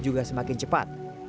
juga semakin cepat